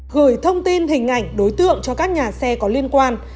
gửi thông tin hình ảnh đối tượng cho các nhà xe có liên quan